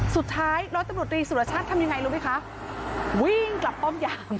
สุดท้ายร้อยตำรวจรีสุรชาติทำยังไงรู้ไหมคะวิ่งกลับป้อมยาม